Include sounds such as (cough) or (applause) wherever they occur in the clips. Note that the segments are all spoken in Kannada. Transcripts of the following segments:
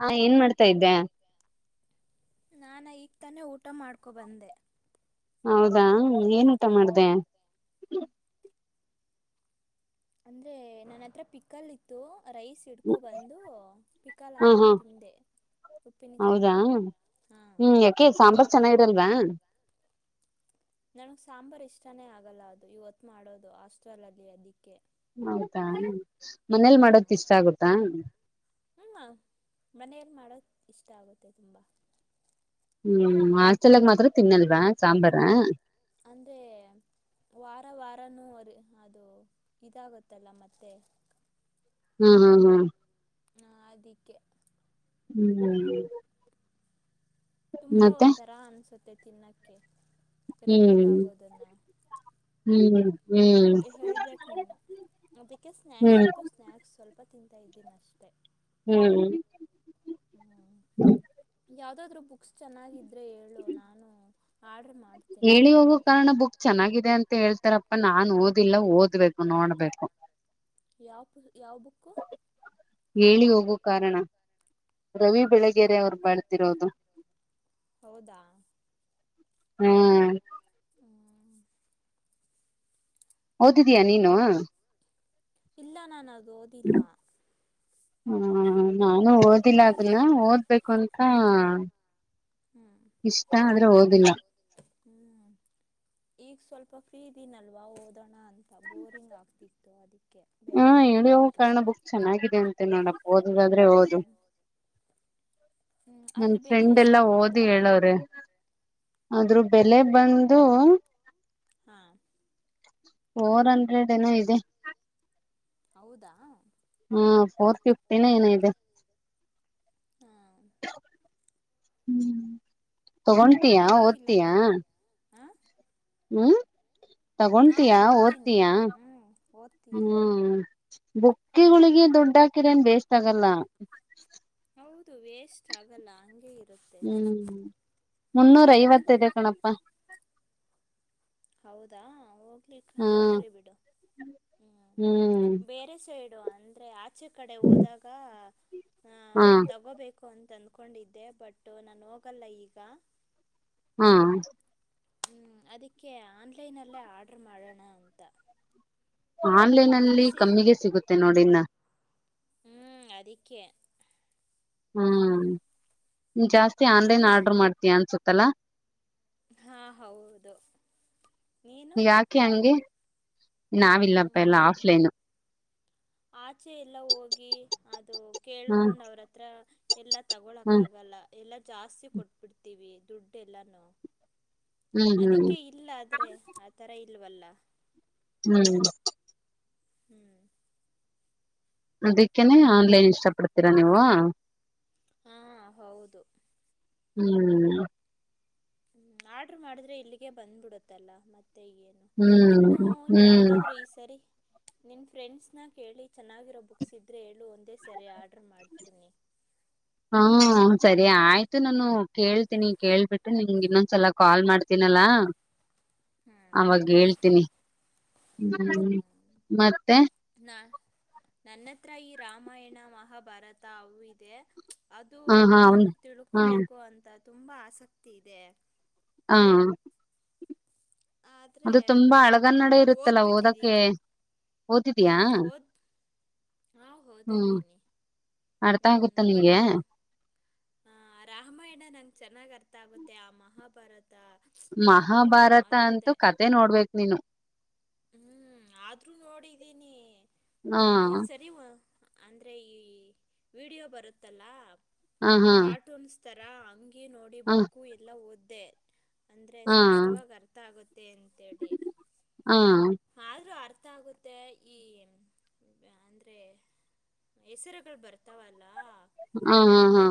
ಹಾ ಏನ್ ಮಾಡ್ತಾ ಇದ್ದೆ ನಾನು ಈಗ ತಾನೇ ಊಟ ಮಾಡ್ಕೊಬಂದೆ ಹೌದಾ ಏನ್ ಊಟ ಮಾಡ್ದೆ. ಹ್ಮ ಅಂದ್ರೆ ನನ್ನ ಹತ್ರ ಪಿಕ್ಕಲ್ ಇತ್ತು ರೈಸ್ ಇಡ್ಕೊಬಂದು ಪಿಕಾಲ್ ಹಾ ಹಾ ಹಾಕೊಂಡು ತಿಂದೆ ಉಪ್ಪಿನಕಾಯಿ ಹೌದಾ ಹಾ. ಹ್ಮ್ ಯಾಕೆ ಸಾಂಬಾರ್ ಚೆನ್ನಾಗಿರಲ್ವಾ ನನಗ್ ಸಾಂಬಾರ್ ಇಷ್ಟಾನೇ ಆಗಲ್ಲ ಅದು ಇವತ್ ಮಾಡೋದು ಹಾಸ್ಟೆಲ್ ಅಲ್ಲಿ ಅಲ್ಲಿ. ಹೌದಾ ಮನೇಲಿ ಹಾ ಮಾಡೋದ ಇಷ್ಟ ಆಗುತ್ತಾ. ಹ್ಮ ಮನೆಯಲ್ಲಿ ಮಾಡೋದು ಇಷ್ಟ ಆಗುತ್ತೆ ತುಂಬ. ಹ್ಮ್ ಆಸ್ಟೆಲ್ಗ್ ಮಾತ್ರ ತಿನ್ನಲ್ವಾ ಸಾಂಬಾರ. ಅಂದರೆ ವಾರ ವಾರನೂ ಅ ಅದು ಇದಾಗುತ್ತಲ್ಲ ಮತ್ತೆ. ಹ್ಮ್ ಹ್ಮ್ ಹ್ಮ್ ಹಾ ಅದಕ್ಕೆ. ಹ್ಮ್ ತುಂಬಾ ಮತ್ತೆ ಒಂಥರ ಅನ್ಸುತ್ತೆ ತಿನ್ನಕ್ಕೆ ಹ್ಮ್ ಹ್ಮ್ ಹ್ಮ್ ಹೇಳ್ಬೇಕು ನೀನು ಅದಕ್ಕೆ ಸ್ನಾಕ್ಸ್ ಹ್ಮ್ ಇತ್ತು ಸ್ನಾಕ್ಸ್ ಸ್ವಲ್ಪ ತಿಂತಾ ಇದ್ದೀನ್ ಅಷ್ ಹ್ಮ್ ಯಾವ್ದಾದ್ರು ಬುಕ್ಸ್ ಚೆನ್ನಾಗಿದ್ರೆ ಹೇಳು ನಾನು ಆರ್ಡ್ರ್ ಮಾಡ್ತೀನಿ ಹೇಳಿ ಹೋಗೋ ಕಾರಣ ಬುಕ್ ಚೆನ್ನಾಗಿದೆ ಅನ್ ತ್ ಹೇಳ್ತಾರಪ್ಪ ನಾನ್ ಓದಿಲ್ಲ ಓದ್ಬೇಕು ನೋಡ್ಬೇಕು. ಯಾವ್ ಪು ಯಾವ್ ಬುಕ್ಕು ಹೇಳಿ ಹೋಗೋ ಕಾರಣ ರವಿ ಬೆಳಗೆರೆ ಅವ್ರು ಬಾಳ್ ದಿರೋದು. ಹೌದಾ ಹ್ಮ್ ಓದಿದಿಯಾ ನೀನು. ಇಲ್ಲ ನಾನು ಅದ್ ಓದಿಲ್ಲ ಹ್ಮ್ ನಾನು ಓದಿಲ್ಲ ಅದುನ್ನ ಓದ್ಬೇಕು ಅನ್ ತಾ ಹ್ಞೂ ತಾಬೆ ಓದಿಲ್ಲ. ಹ್ಮ್ ಈಗ್ ಸ್ವಲ್ಪ ಫ್ರೀ ಇದೀನಲ್ವಾ ಓದೋಣ ಅಂತ ಬೋರಿಂಗ್ ಆಗ್ತಿತ್ತು ಅದಿ ಹಾ ಹೇಳಿ ಹೋಗು ಕಾರಣ ಬುಕ್ ಚೆನ್ನಾಗಿದೆ ಅಂತೆ ನೋಡಪ್ಪ ಓದುದಾದ್ರೆ ಓದು ಹ್ಮ್ ಹ್ಮ್ ನನ್ ಅದ್ರ ಬೆಲೆ ಫ್ರೆಂಡ್ ಎಲ್ಲಾ ಎಷ್ಟಾಗ್ಬೋದು ಓದಿ ಹೇಳವ್ರೆ. ಆದ್ರು ಬೆಲೆ ಬಂದು ಹಾ ಫೋರ್ ಅಂಡ್ರೆಡ್ ಏನೋ ಇದೆ. ಹೌದಾ ಹಾ ಫೋರ್ ಫಿಫ್ಟಿ ನ ಏನೋ ಇದೆ. ಹ್ಮ ಹ್ಮ್ ತಗೊಂತಿಯ ಪರವಾಗಿಲ್ಲ ಓದ್ತಿಯ. ಗಿ ಆ ಹ್ಮ್ ಹಾಂ ತಗೊಂತಿಯ ಓದ್ತೀನಿ ಓದ್ತಿಯ ಹ್ಞೂ ಓದ್ತೀನಿ ಹ್ಮ್. ಬುಕ್ಕಿಗಳಿಗೆ ದುಡ್ಡ ಹಾಕಿರೆನ್ ವೆಸ್ಟ್ ಆಗಲ್ಲ. ಹೌದು ವೇಸ್ಟ್ ಆಗಲ್ಲ ಹಂಗೇ ಹ್ಮ್ ಮುನ್ನೂರ ಹ್ಞೂ ಐವತ್ತಿದೆ ಕಣಪ್ಪಾ ಹೌದಾ ಓ ಹ ಹ್ಮ್ ಹೋಗ್ಲಿ ಬಿಡು ಹ್ಮ ಹ್ಮ್ ಬೇರೆ ಸೈಡ್ ಇದು ಅಂದ್ರೆ ಆ ಆಚೆ ಕಡೆ ಹೋದಾಗ ಆ ಹಾ ತಗೋಬೇಕು ಅನ್ ದ್ಕೊಂಡಿದ್ದೆ ಬಟ್ ನಾನ್ ಹೋಗಲ್ಲ ಈಗ ಹ್ಮ ಹ್ ಅದಕ್ಕೆ ಆನ್ಲೈನಲ್ಲೇ ಆರ್ಡರ್ ಮಾಡೋಣ ಅಂತ. ಆನ್ಲೈನ್ ಅಲ್ಲಿ ಕಮ್ಮಿಗೆ ಸಿಗುತ್ತೆ ನೋಡ್ ಡಿನ್ನ ಹ್ಮ್ ಅದಿಕ್ಕೆ ಹ್ಮ್ ನೀ ಜಾಸ್ತಿ ಆನ್ಲೈನ್ ಆರ್ಡರ್ ಮಾಡ್ತೀಯ ಅನ್ಸುತ್ ತ್ತಲ ಹಾ ಹೌದು ನೀನು ಯಾಕೆ ಹಂಗೆ ನಾವಿಲ್ಲಪ್ಪ ಎಲ್ಲಾ ಆಫ್ಲೈನು ಆ ಚೆ ಎಲ್ಲ ಹೋಗಿ ಅದು ಹ್ಮ್ ಕೇಳ್ಕೊಂಡ್ ಅವ್ರತ್ರ ಎಲ್ಲ ತಗೊಳಕ್ ಹ್ಮ್ ಆಗಲ್ಲ. ಎಲ್ಲ ಜಾಸ್ತಿ ಕೊಟ್ಬಿಡ್ತೀವಿ ದುಡ್ಡು ಎಲ್ಲಾನೂ ಹ್ಮ್ ಹ್ಮ್ ಅದಿಕ್ಕೆ ಇಲ್ಲಾದ್ರೆ ಆತರ ಇಲ್ ಇಲ್ವಲ್ಲ. ಹ್ಮ್ ಹ್ಮ್ ಅದಿಕ್ಕೇನೆ ಆನ್ಲೈನ್ ಇಷ್ಟ ಪಡ್ತೀರಾ ನೀವು. ಹಾ ಹೌದು ಹ್ಮ್ ಹ್ಮ ಆರ್ಡರ್ ಮಾಡಿದ್ರೆ ಇಲ್ಲಿಗೆ ಬಂದ್ಬಿಡುತ್ತಲ್ಲ ಮ ತ್ತೆ ಏನು ಇನ್ನು ಹ್ಮ್ ಹ್ಮ್ ಯಾವ್ದಾದ್ರು ಈ ಸರಿ ನಿನ್ನ ಫ್ರೆಂಡ್ಸ್ನ ಕೇಳಿ ಚೆನ್ನಾಗಿರೋ ಬುಕ್ಸ್ ಇದ್ರೆ ಹೇಳು ಒಂದೇ ಸರಿ ಆರ್ಡರ್ ಮಾಡ್ತೀನಿ. ಹ್ಮ ಸರಿ ಆಯ್ತು ನಾನು ಕೇಳ್ತೀನಿ ಕೇಳ್ಬಿಟ್ಟು ನಿಮಗೆ ಇನ್ನೊಂದ್ಸಲ ಕಾಲ್ ಮಾಡ್ತೀನಲ್ಲ ಹ್ಮ್ ಆವಾಗ್ ಹೇಳ್ತೀನಿ ಹ್ಮ್ ಮತ್ತೆ ನಾ ನನ್ನತ್ರ ಈ ರಾಮಾಯಣ ಮಹಾಭಾರತ ಅವು ಇದೆ. ಅದು ಹ ಹಾ ನಂಗ್ ಹಾ ತಿಳ್ಕೊಬೇಕು ಅಂತ ತುಂಬ ಆಸಕ್ತಿ ಇದೆ ಹಾ ಆದರೆ ಅದು ತುಂಬಾ ಹಳಗನ್ನಡ ಹ್ಮ್ ಇರುತ್ತಲ್ಲ ಓದಕ್ಕೆ ಓದ್ಬಿಟ್ಟಿದ್ದೀನಿ ಹ್ಞೂ ಓದಿದ್ಯಾ ಓದ್ ಹಾಂ ಹ್ಮ್ ಓದಿದ್ದೀನಿ ಅರ್ಥ ಆಗುತ್ತ ಹ್ ನಿಂಗೆ ಬಟ್ ರಾಮಾಯಣ ನನ್ ಚೆನ್ನಾಗ್ ಅರ್ಥ ಆಗುತ್ತೆ ಆ ಮಹಾಭಾರತ ಅದು ಮಹಾಭಾರ ಅದೊಂದೇ ಹ್ಮ್ ಆದ್ರೂ ನೋಡಿದೀನಿ ಹಾ ಒಂದ್ಸರಿ ಓ ಅಂದ್ರೆ ಈ ವಿಡಿಯೋ ಬರುತ್ತಲ್ಲ ಹ ಹ ಕಾರ್ಟೂನ್ಸ್ ತರಾ ಅಂಗ್ ನೋಡಿ ಹಾ ಬುಕ್ಕು ಎಲ್ಲಾ ಓದ್ ದೆ ಅಂದ್ರೆ ಹ ಸ್ಪಷ್ಟವಾಗಿ ಅರ್ ತಗು ತೆ ಅಂತೇಳಿ ಹಾ ಹ ಆದ್ರೂ ಅರ್ ಅರ್ಥ ಆಗುತ್ತೆ ಈ ಅಂದ್ರೆ ಹೆಸರುಗಳು ಬರ್ತಾವಲ್ಲ. ಆ ಹಾ ಹಾ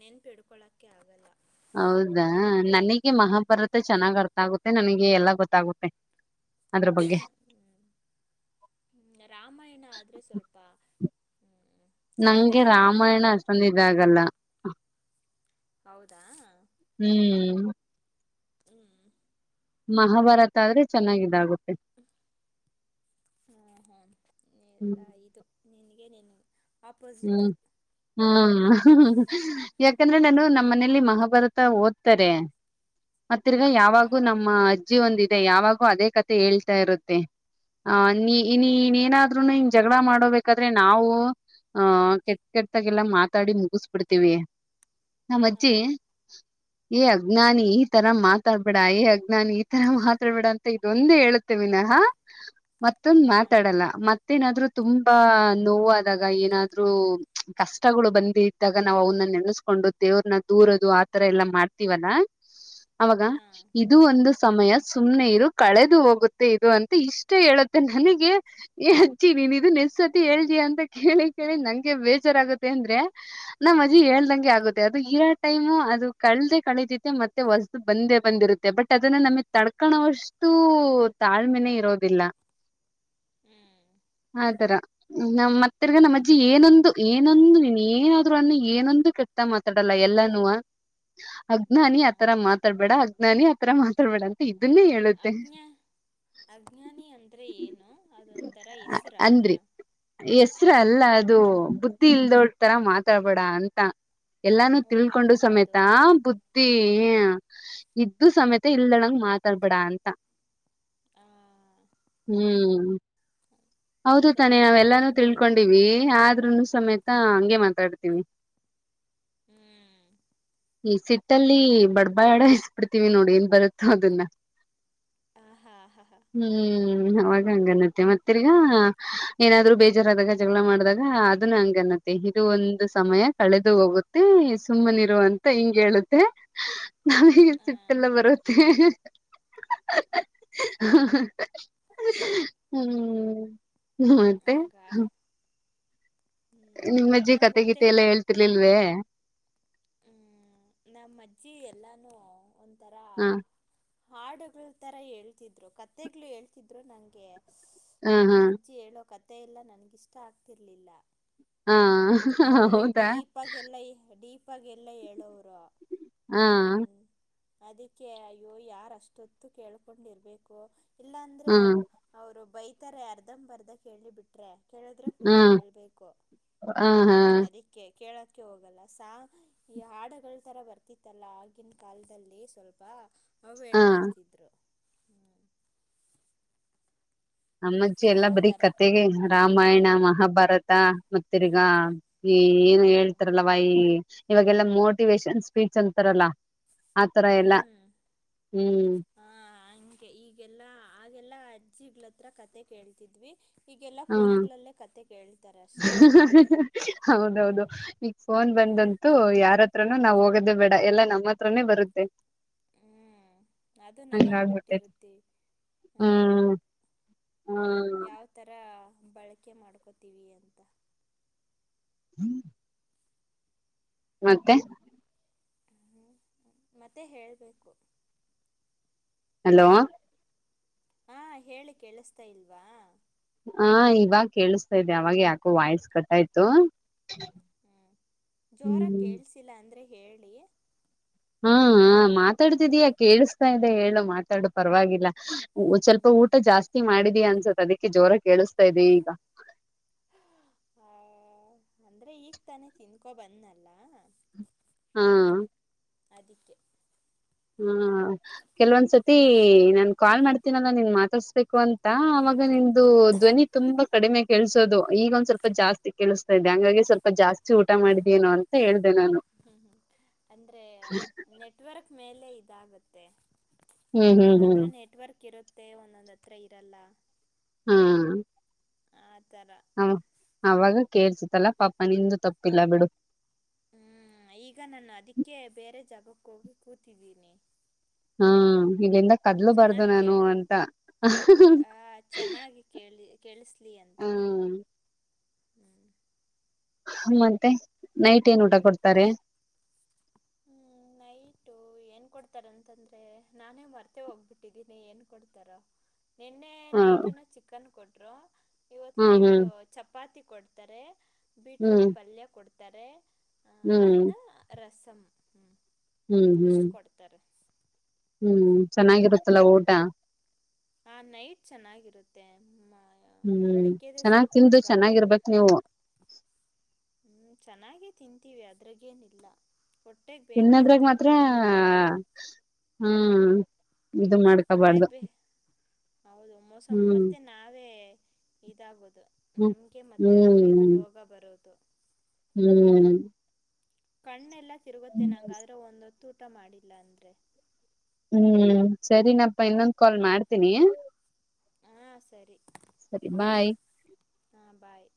ನೆನ್ಪಿಡ್ಕೊಳಕ್ಕೆ ಆಗಲ್ಲ ಹೌದಾ ನನಿಗೆ ಮಹಾಭಾರತ ಚೆನ್ನಾಗ್ ಅರ್ಥ ಆಗುತ್ತೆ ನನಿಗೆ ಎಲ್ಲ ಗೊತ್ತಾಗುತ್ತೆ. ಅದ್ರ ಬಗ್ಗೆ ರಾಮಾಯಣ ಆದರೆ ಸ್ವಲ್ಪ ಚಿಕ್ಕದೇ ನಂಗೆ ಅಲ್ವಾ ರಾಮಾಯಣ ಅಷ್ಟೊಂದ್ ಇದಾಗಲ್ಲ. ಹೌದಾ ಹ್ಮ್ ಹ್ಮ್ ಮಹಾಭಾರತ ಆದ್ರೆ ಚೆನ್ನಾಗಿದಾಗು ಹ್ಮ ಹ್ಮ ಹ್ಮ್ ಎಲ್ಲ ಇದು ನಿನ್ಗೆ ನಿನ್ ಹ್ಮ್ ಹ್ಮ್ ಅಹ್ ಹ್ ಹ್ ಹ್ಞೂ ಯಾಕಂದ್ರೆ ನಾನು ನಮ್ಮ್ ಮನೇಲಿ ಮಹಾಭಾರ ತ ಓದ್ತಾರೆ ಮತ್ತ್ ತೀರ್ಗ ಯಾವಾಗೂ ಹಾಂ ನಮ್ಮ ಅಜ್ಜಿ ಒಂದ ಇದ್ ತ್ತೆ ಯಾವಾಗೂ ಅದೇ ಕತೆ ಹೇಳ್ತಾ ಇರುತ್ತೆ ಆವ್ ನೀ ಹಾಂ ನೀನೆನಾದ್ರುನು ಹಿಂಗ್ ಜಗಳ ಮಾಡೋಬೇಕಾದ್ರೆ ನಾವು ಹಾ ಕೆಟ್ ಕೆಟ್ದಾಗೆಲ್ಲಾ ಮಾತಾಡಿ ಮುಗಸಬಿಡ್ತೀವಿ. ನಮ್ ಅಜ್ಜೀ ಹಾಂ ಏ ಅಜ್ಞಾನಿ ಈ ತರ ಮಾತಾಡ್ಬೇಡ ಏ ಅಜ್ಞಾನಿ ಈ ತರ ಮಾತಾಡ್ಬೇಡ ಅಂತ ಇದೊಂದ್ ಹೇಳುತ್ತೆ ವಿನಹ ಮತ್ತೊಂದ್ ಹಾಂ ಮಾತಾಡಲ್ಲ ಮತ್ತೇನಾದ್ರು ತುಂಬಾ ನೋವಾದಾಗ ಏನ್ ನಾದ್ರೂ (unintelligible) ಕಷ್ಟಗಳು ಬಂದ್ ಇದ್ದಾಗ ನಾವ್ ಅವನ್ನ ನೆನೆಸ್ಕೊಂಡು ದೇವ್ರನ್ನ ದೂರದು ಆತರ ಎಲ್ಲಾ ಮಾಡ್ತೀವಲ್ಲ ಅವಾಗ, ಹಾಂ ಇದೂ ಒಂದು ಸಮಯ ಸುಮ್ನೆ ಇರು ಕಳೆದು ಹೋಗುತ್ತೆ ಇದು ಅಂತ ಇಷ್ಟೆ ಹೇಳುತ್ತೆ ನನಗೆ ಏ ಅಜ್ಜಿ ನೀನ್ ಇದನ್ ಎಷ್ಟ್ ಸತಿ ಹೇಳ್ತಿಯ ಅಂತ ಕೇಳಿ ಕೇಳಿ ನಂಗೆ ಬೇಜಾರಾಗತ್ತೆ ಅಂದ್ರೆ ನಮ್ ಅಜ್ಜಿ ಹ್ಞೂ ಹೇಳ್ದಂಗೆ ಆಗುತ್ತೆ ಅದು (unintelligible) ಟೈಮು ಅದು ಕಳ್ದೆ ಕಳಿತೈತೆ ಮತ್ತೆ ಹೊಸ್ದು ಬಂದೇ ಬಂದಿರುತ್ತೆ ಬಟ್ ಅದನ್ನ ನಮಿಗ್ ತಡ್ಕಣವಷ್ಟೂ ತಾಳ್ಮೆನೆ ಇರೋದಿಲ್ಲ. ಹ್ಮು. ಆ ತರ ನಮ್ ಮತ್ ತಿರ್ಗ ನಮ್ ಅಜ್ ಜ್ಜಿ ಏನೊಂದು ಏನೊಂದು ನೀನ್ ಏನಾದ್ರು ಅನ್ನು ಏನೊಂದು ಕೆಟ್ಟ ಮಾತಾಡಲ್ಲ ಎಲ್ಲಾನೂವ ಅಜ್ಞಾನಿ ಹಾಂ ಆತರ ಮಾತಾಡ್ಬೇಡ ಅಜ್ಞಾನಿ ಆತರ ಮಾತಾಡ್ಬೇಡ ಅಂತ ಇದ್ ಅಜ್ಞಾ ಅಜ್ಞಾನಿ ಅಂದ್ರೆ ಏನು, ಅದೊಂಥರ ಹೆಸರಾ? ಅಂದ್ರಿ ಹೆಸ್ರ ಅಲ್ಲ ದೂ. ಬುದ್ಧಿ ಇಲ್ದೋಳ್ ತರಾ ಹಾಂ ಮಾತಾಡ್ಬೇಡ ಅನ್ ತಾ. ಎಲ್ಲಾನು ಓ ತಿಳ್ಕೊಂಡು ಹಂಗ ಅದು ಸಮೇತಾ ಬುದ್ಧಿಈ ಇದ್ದು ಸಮೇತ ಇಲ್ದಳಂಗ್ ಮಾತಾಡ್ಬೇಡ ಅಂತ, ಹ್ಮೂ. ಹೌದು ಹೌದಾ ತಾನೆ ನನಗೆ ನಾವೆಲ್ಲಾನು ಗೊತ್ತೇ ಇದ್ದಿಲ್ಲ ತಿಳ್ಕೊಂಡಿವಿ ಆದ್ರುನೂ ಸಮೇತ ಹಂಗೆ ಮಾತಾಡ್ತೀನಿ. ಹ್ಮೂ. ಈ ಸಿಟ್ಟಲ್ಲಿ ಬಡ್ ಬಡಾಯಿಸ್ ಬಿಡ್ತೀವ್ ನೋಡ್ ಏನ್ ಬರುತ್ತೋ ಅದನ್ನ ಆ ಹಾ ಹಾ ಹಾ ಹ್ಮೂ. ಹ್ಮ್ ಅವಾಗ್ ಹಂಗನ್ನತ್ತೆ ಮತ್ ತಿರ್ಗಾ ಏನಾದ್ರು ಬೇಜಾರಾದಾಗ ಜಗಳ ಮಾಡ್ದಾಗ್ (unintelligible) ಅದನ್ನ ಹಂಗನ್ನತ್ತೆ ಇದು ಒಂದು ಸಮಯ ಕಳೆದು ಹೋಗುತ್ತೇ ಸುಮ್ಮನಿರು ಅಂತ್ ಹಿಂಗ್ ಹೇಳುತ್ತೆ, ನಮಿಗೆ ಹಾಂ ಸಿಟ್ಟೆಲ್ಲ ಬರುತ್ತೆ (unintelligible) ಮತ್ತೆ ಹಂಗ ಹಾ ಹ್ಮ್ ನಿಮ್ಮಜ್ಜಿ ನಂಗೆ ಕತೆಗಿತೆ ಗೊತ್ತೇ ಎಲ್ಲ ಏಳ್ತಿರ್ಲಿಲ್ವೇ? ಹ್ಮ್, ನಮ್ ಅಜ್ಜಿ ಎಲ್ಲಾನೂ ಒಂತ ಆ. ಹಾಡುಗ್ಳ್ ತರ ಹೇಳ್ತಿದ್ರು ಕತ್ತೆಗ್ಳು ಹೇಳ್ತಿದ್ರು ನಂಗೆ. (unintelligible) ಹ ನಮ್ ಅಜ್ಜಿ ಹೇಳೋ ಕತ್ ಮತ್ತೆ ಎಲ್ಲ ನನಗಿಷ್ಟ ಆಗ್ತಿರ್ಲಿಲ್ಲ. ಹಾ ಅಹ್ ಹ್ ಹ್ ಹೌದಾ ಪ್ಪಾಗೆಲ್ಲ ಹೇಳವ್ರು. ಹಾ ಅದಕ್ಕೆ ಅಯ್ಯೋ ಯಾರ್ ಅಷ್ಟೊತ್ತು ಕೇಳ್ಕೊಂಡಿರ್ಬೇಕು ಇಲ್ಲ ಹ್ಮ ರು ಬೈತಾರೆ ಅರ್ಧಂಬರ್ಧ ಕೇಳಿ ಬಿಟ್ರೆ. ಕೇಳಿದ್ರೆ ಫುಲ್ಲು ಹಾ ಕೇಳ್ಬೇಕು ಹ ಹಾ ಹ್ಮ್ ಅದಿಕ್ಕೆ ಕೇಳ ಕೆ ಹೋಗಲ್ಲ ಸಾ ಈ ಹಾಡಗಳ ತರ ಬರ್ತಿತ್ತಲ್ಲ ಆಗಿನ್ ಕಾಲದಲ್ಲಿ ಸ್ವಲ್ಪ ಅವು ಹ ಹೇಳ್ಕೊಡ್ತಿದ್ರು ಹ್ಮ್ ನಮ್ಮಜ್ಜಿ ಎಲ್ಲಾ ಆ ಬರೀ ಥರ ಕತೆಗೆ ರಾಮಾಯಣ ಮಹ್ ಹ ಭರತ ಮತ್ತಿರ್ಗ ಈ ಏನು ಹೇಳ್ತಾರಲ್ಲ ವಾಯ ಇವಾಗೆಲ್ಲ ಮೋಟಿವೇಶನ್ ಸ್ಪೀಚ್ ಅಂತಾರಲ್ಲ ಆತರ ಎಲ್ಲ ಹ್ಮ್ ಹ್ಮ್ ಹಾ ಹಂಗೆ ಈಗೆಲ್ಲ ಆಗೆಲ್ಲ ಅಜ್ಜಿಗಳತ್ರ ಕತೆ ಕೇಳ್ತಿದ್ವಿ ಈಗೆಲ್ಲ ಹಾ ಫೋನುಗಳಲ್ಲೇ ಕತೆ ಕೇಳ್ತಾರೆ ಅಷ್ಟೆ ಅಹ್ ಹ್ ಹ್ ಹ್ ಹೌದೌದು ಹ್ಮ್ ಈಗ ಫೋನ್ ಬಂದಂತು ಯಾರ ಹತ್ರನು ನಾವ್ ಹೋಗೋದೇ ಬೇಡ ಎಲ್ಲ ನಮ್ಮ ಹತ್ರನೇ ಬರುತ್ತೆ. ಹ್ಮೂ ಅದು ಹಂಗ ನಮಗ್ ಆಗ್ಬಿಟ್ಟೈತಿ ಬಿಟ್ಟಿರುತ್ತೆ ಹಾಯಿ ಹ್ಮ್ ಹ್ಮ್ ಯಾವ್ ತರಾ ಬಳ್ಕೆ ಮಾಡ್ಕೋತೀವಿ ಅಂತ. (inaudible) ಮತ್ತೆ? ಮತ್ತೆ ಹೇಳ್ಬೇಕು. ಹಲೋ ಹಾ ಹೇಳಿ ಕೇಳಸ್ತಾ ಇಲ್ವಾ? ಆ ಇವಾಗ್ ಕೇಳಸ್ತ ಇದೆೆ ಅವಾಗೆ ಯಾಕೋ ವಾಯ್ಸ್ ಕಟ್ಟಾಯ್ತು ಜೋರಾಗಿ ಹ್ಮ್ ಕೇಳಸಿಲ್ಲ ಅಂದ್ರೆ ಹೇಳಿ ಹಾ ಹ ಮಾತಾಡ್ತಿದೀಯ ಕೇಳಿಸ್ತಾ ಇದೆ ಹೇಳು ಮಾತಾಡು ಪರವಾಗಿಲ್ಲ ಸ್ವಲ್ಪ ಹ್ಮ್ ಊಟ ಜಾಸ್ತಿ ಮಾಡಿದ ಅನ್ಸತ್ ಅದಕ್ಕೆ ಜೋರ ಕೇಳಿಸತಾ ಇದದೆ ಈಗ ಅಂದ್ರೆ ಈಗ್ ತಾನೆ ತಿಿಂದಕೊ ಬಂದ್ನಲ್ಲ ಹಾ ಅದಕ್ಕೆ ಹಾ ಕೆಲ್ವೊಂದ್ಸತಿ ನಾನ್ ಕಾಲ್ ಮಾಡ್ತೀನಲ್ಲ ನಿನ್ ಮಾತಾಡ್ಸ್ಬೇಕು ಅಂತ ಅವಾಗ ನಿ್ದು ಧ್ವನಿ ತುಂಬಾ ಕಡಿಮೆ ಕೆೇಳಸೋದು ಈಗೊಂದ್ ಸ್ವಲ್ಪ ಜಾಸ್ತಿ ಕೇಳಿಸಸ್ತಾ ಇದ್ದೆ ಹಂಗಾಗಿ ಸ್ವಲ್ಪ ಜಾಸ್ತಿ ಊಟ ಮಾಡಿದೇನೋ ಅಂತ ಹೇಳ್ದ ನಾನು ಹ್ಮ್ ಹ್ಮ್ ಅಂದ್ರೆ ನೆಟ್ವರ್ಕ್ ಮೇಲೆ ಜಾಗತ್ತೆ ಹ್ಮ್ ಒಂದೊಂದ ಹ್ಮ್ ಹತ್ರ ನೆಟ್ವರ್ಕ್ ಕಿರುತ್ತೆ ಒಂದೊಂದು ಹತ್ರಿ ಇರಲ್ಲ ಆ ಥರ ಹ ಅವಾಗ ಕೇರ್ಸತ್ತಲ್ಲಾ ಪಾಪ ನಿಂದು ತಪ್ಪಿಲ್ಲ ಬಿಡು ಹ್ಮ್ ಈಗ ನಾನು ಅದಕ್ಕೆ ಬೇರೆ ಜಾಗಕ್ಕ ಹೋಗಿ ಕೂತಿದ್ದೀನಿ ಹಾ ಈಗೆಂದ ಹ್ಮ್ ಕದ್ಲು ಬಾರದುು ಚೆನ್ನಾಗಿ ನಾನು ಕೇಳ ಅಂತ ಚೆನ್ನಾಗಿ ಕೇಳಿ ಕೇಳಿಸ್ಲಿ ಅಂತ ಹ್ಮ. ಹ್ಮ್ ಮತ್ತೆ ನೈಟ್ ಏನ್ ಊಟ ಕೊಡ್ತಾರೆ ಹ್ಮ್ ನೈಟು ಏನ್ ಕೊಡ್ತಾರ ಅಂತಂದ್ರೆ ನಾನೇ ಮರ್ತೆ ಹೋಗ್ಬಿಟ್ಟಿದ್ದೀನಿ ಏನ್ ಕೊಡ್ತಾರ ನಿನ್ನೆ ಹ ನೈಟ್ ಏನ ಚಿಕನ್ ಕೊಟ್ಟ ಅ ಹ್ಮ್ ಹ್ಮ್ ಕೊಡ್ತಾರೆ ಬೀಟ್ರೂಟ್ ಹ್ಮ್ ಪಲ್ಯ ಕೊಡ್ತೀ ತ್ತಾರೆ ಹ್ಮ್ ಅನ್ನ ರಸ (inaudible) ಹ್ಮ್ ಹ್ಮ್ ಇಷ್ಟು ಹ್ಮ್ ಕೊಡ್ತಾರೆ ಹ್ಮ್ ಚೆನ್ನಾಗಿರುತ್ತಲ್ಲ ಊಟ ಹ ನೈಟ್ ಚೆನ್ನಾಗಿರುತ್ತೆ ಹ್ಮ್ ಬೆಳಗ್ಗೆದೆ ಚೆನ್ನಾಗ್ ಸ್ವಲ್ಪ ತಿಂದುು ಪ್ರಾ ಚೆನ್ನಾಗಿರ್ಬೇಕು ನೀವು ಚೆನ್ನಾಗೇ ತಿಂತೀವಿ ಅದ್ರಗೇನಿಲ್ಲ ಇನ್ನದ್ರಾಗ ಮಾತ್ರ ಹ್ಮ್ ಇದು ಹೊಟ್ಟೆಗ್ ಮಾಡ್ಕೋಬಾರ್ದು ಬಿ ಹೌದು ಮೋಸಮ್ ಹ್ಮ್ ಮತ್ತೆ ನಾವೇ ಇದಾಗೋದು ಹ್ಮ್ ನಮಗೆ ಮತ್ತೆ ಅದು ಇದು ಹ್ಮ್ ರೋಗ ಬರೋದು. ಹ್ಮ್ ಕಣ್ಣೆಲ್ಲ ತಿರುಗುತ್ತೆ ಹ್ಮ್ ನಂಗಾದ್ರೆ ಒಂದೊ ತೂಟ ಮಾಡಿಲ್ಲ ಅಂದ್ರೆ ಹ್ಮ್ ಸರಿನಪ್ಪ ಇನ್ನೊಂದ್ ಕಾಲ್ ಮಾಡ್ತೀನಿ. ಹಾಂ ಸರಿ ಸರಿ ಬಾಯ್. ಹಾಂ ಬಾಯ್